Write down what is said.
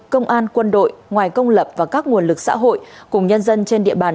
công an quân đội ngoài công lập và các nguồn lực xã hội cùng nhân dân trên địa bàn